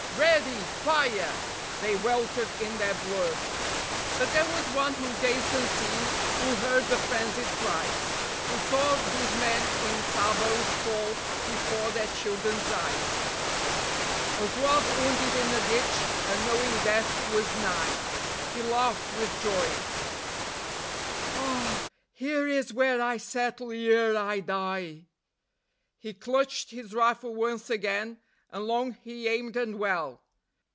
... READY! FIRE! They weltered in their blood. But there was one who gazed unseen, who heard the frenzied cries, Who saw these men in sabots fall before their children's eyes; A Zouave wounded in a ditch, and knowing death was nigh, He laughed with joy: "Ah! here is where I settle ere I die." He clutched his rifle once again, and long he aimed and well.